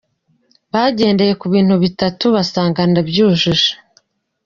Bagendeye ku bintu bitatu basanga ndabyujuje.